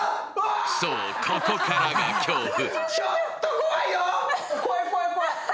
そう、ここからが恐怖。